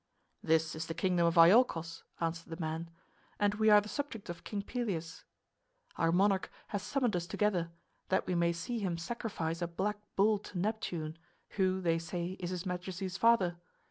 "This is the kingdom of Iolchos," answered the man, "and we are the subjects of King Pelias. Our monarch has summoned us together, that we may see him sacrifice a black bull to Neptune, who, they say, is his majesty's father.